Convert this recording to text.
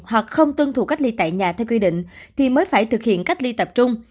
hoặc không tuân thủ cách ly tại nhà theo quy định thì mới phải thực hiện cách ly tập trung